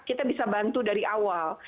kita bisa bantu dari awal